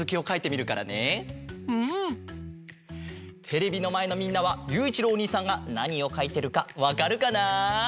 テレビのまえのみんなはゆういちろうおにいさんがなにをかいてるかわかるかな？